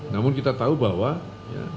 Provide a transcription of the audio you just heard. namun kita tahu bahwa ya